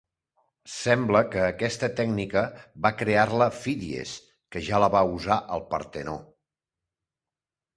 Sembla que aquesta tècnica va crear-la Fídies, que ja la va usar al Partenó.